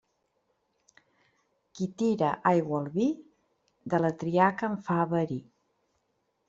Qui tira aigua al vi, de la triaca en fa verí.